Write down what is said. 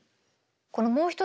このもう一つの方